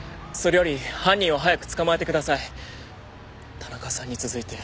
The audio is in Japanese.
それより犯人を早く捕まえてください。